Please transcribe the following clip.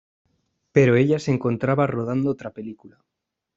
Pero ella se encontraba rodando otra película.